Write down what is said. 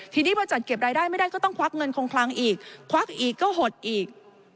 ทีนี้พอจัดเก็บรายได้ไม่ได้ก็ต้องควักเงินคงคลังอีกควักอีกก็หดอีก